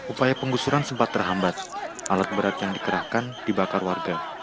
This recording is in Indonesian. upaya penggusuran sempat terhambat alat berat yang dikerahkan dibakar warga